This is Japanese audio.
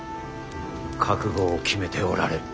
覚悟を決めておられる。